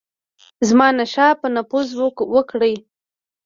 زمانشاه به نفوذ وکړي.